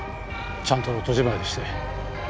ちゃんと戸締まりして。